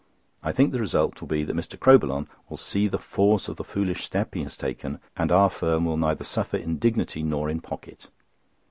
I think the result will be that Mr. Crowbillon will see the force of the foolish step he has taken, and our firm will neither suffer in dignity nor in pocket."